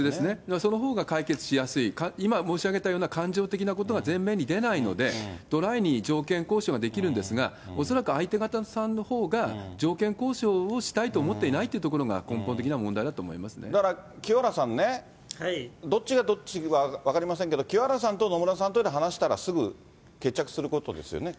そのほうが解決しやすい、今、申し上げたような感情的なことが前面に出ないので、ドライに条件交渉ができるんですが、恐らく相手方さんのほうが、条件交渉をしたいと思っていないっていうところが、根本的な問題だと思いますだから、清原さんね、どっちがどっちか分かりませんけど、清原さんと野村さんとで話したら、すぐ決着することですよね。